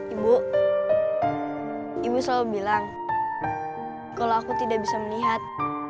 ibu ibu selalu bilang kalau aku tidak bisa melihat